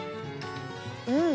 うん！